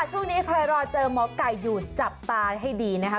ช่วงนี้ใครรอเจอหมอไก่อยู่จับตาให้ดีนะคะ